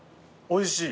おいしい。